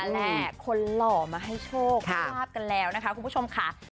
แหละคนหล่อมาให้โชคลาบกันแล้วนะคะคุณผู้ชมค่ะ